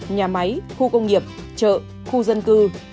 nhà máy khu công nghiệp chợ khu dân cư